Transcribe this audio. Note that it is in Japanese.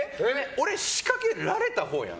俺、仕掛けられたほうやん。